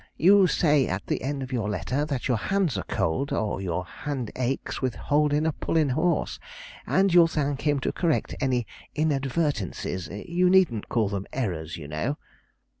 You say at the end of your letter, that your hands are cold, or your hand aches with holdin' a pullin' horse, and you'll thank him to correct any inadvertencies you needn't call them errors, you know.'